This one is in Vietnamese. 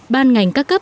ban ngành các cấp